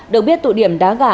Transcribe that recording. được biết tụ điểm đá gà